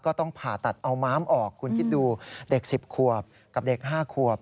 ต้องผ่าตัดเอาม้ามออกคุณคิดดูเด็ก๑๐ขวบกับเด็ก๕ขวบ